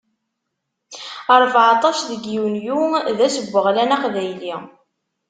Rbeɛṭac deg yunyu, d ass n weɣlan aqbayli.